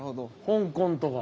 香港とか。